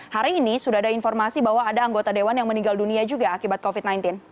hari ini sudah ada informasi bahwa ada anggota dewan yang meninggal dunia juga akibat covid sembilan belas